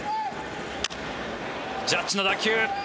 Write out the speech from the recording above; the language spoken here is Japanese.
ジャッジの打球。